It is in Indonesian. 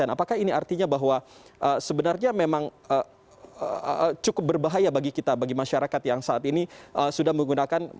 apakah ini artinya bahwa sebenarnya memang cukup berbahaya bagi kita bagi masyarakat yang saat ini sudah menggunakan